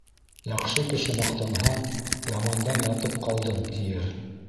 Яҡшы кеше маҡтанһа, ямандан ятып ҡалдым, тиер.